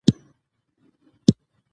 خلیلزاد د دوی لپاره په پوره توان لابي کوله.